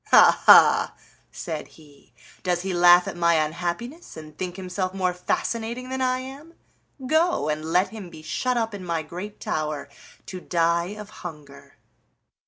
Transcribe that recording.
"Ha, ha!" said he; "does he laugh at my unhappiness, and think himself more fascinating than I am? Go, and let him be shut up in my great tower to die of hunger."